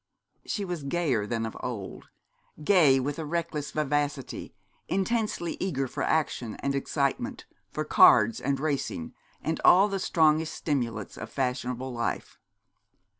She was gayer than of old, gay with a reckless vivacity, intensely eager for action and excitement, for cards and racing, and all the strongest stimulants of fashionable life.